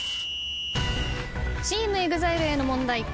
チームＥＸＩＬＥへの問題